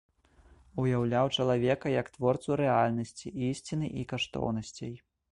Уяўляў чалавека як творцу рэальнасці, ісціны і каштоўнасцей.